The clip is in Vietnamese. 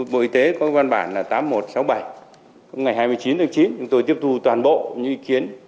bộ y tế có văn bản là tám nghìn một trăm sáu mươi bảy ngày hai mươi chín tháng chín chúng tôi tiếp thu toàn bộ những ý kiến